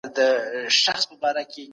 هغه ځان له ستونزي خلاص کړی.